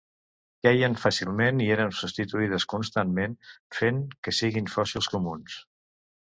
Queien fàcilment i eren substituïdes constantment, fent que siguin fòssils comuns.